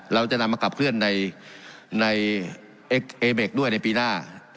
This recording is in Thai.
เราจะนำมาขับเคลื่อนในเอ็กเอเบคด้วยในปีหน้า